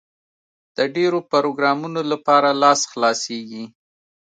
د ډېرو پروګرامونو لپاره لاس خلاصېږي.